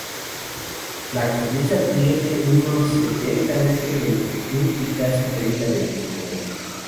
La cornisa tiene unos setenta metros de longitud y casi treinta de desnivel.